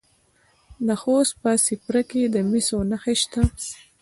د خوست په سپیره کې د مسو نښې شته.